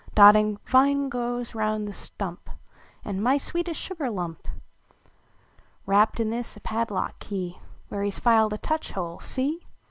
Dotting, "\ ine grows round the stum]). And " My s\\"eetest sugar lump!" \Yrapped in this a ])adlock key \Yhere he s filed a touch hole see!